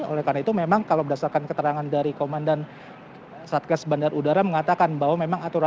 oleh karena itu memang kalau berdasarkan keterangan dari komandan satgas bandar udara